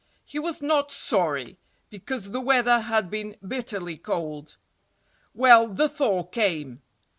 He was not sorry, because the weather had been bitterly cold. Well, the thaw came.